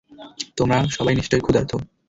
তোমরা সবাই নিশ্চয়ই ক্ষুধার্ত।